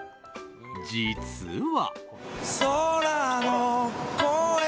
実は。